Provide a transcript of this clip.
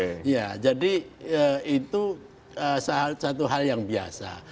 iya jadi itu satu hal yang biasa